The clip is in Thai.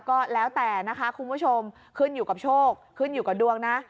ก็แล้วแต่นะคะคุณผู้ชมขึ้นอยู่กับโชคขึ้นอยู่กับดวงนะ